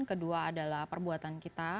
kedua adalah perbuatan kita